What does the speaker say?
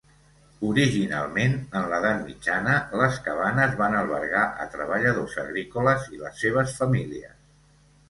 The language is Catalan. Originalment en l'edat mitjana, les cabanes van albergar a treballadors agrícoles i les seves famílies.